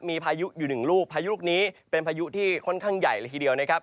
มีพายุอยู่หนึ่งลูกพายุลูกนี้เป็นพายุที่ค่อนข้างใหญ่เลยทีเดียวนะครับ